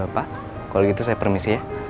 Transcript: kalau gitu saya permisi ya